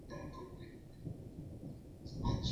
خیر محمد ته د سړک پر غاړه یوازیتوب ډېر سخت و.